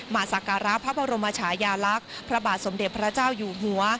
สักการะพระบรมชายาลักษณ์พระบาทสมเด็จพระเจ้าอยู่หัว